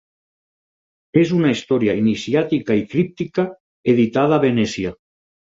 És una història iniciàtica i críptica editada a Venècia.